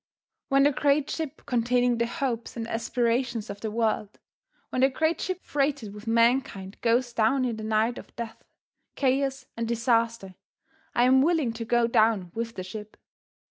When the great ship containing the hopes and aspirations of the world, when the great ship freighted with mankind goes down in the night of death, chaos and disaster, I am willing to go down with the ship.